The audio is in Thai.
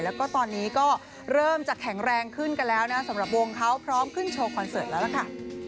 แล้วก็ตอนนี้ก็เริ่มจะแข็งแรงขึ้นกันแล้วนะสำหรับวงเขาพร้อมขึ้นโชว์คอนเสิร์ตแล้วล่ะค่ะ